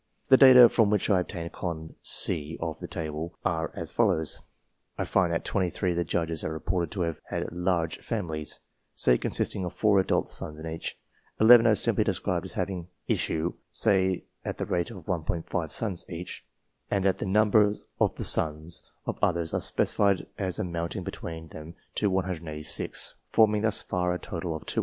The data from which I obtained column C of that table are as follow : I find that 23 of the Judges are reported to have had "large families," say consisting of four adult sons in each ; 11 are simply described as having " issue," say at the rate of 1J sons each ; and that the number of the sons of others are specified as amounting between them to 186 ; forming thus far a total of 294.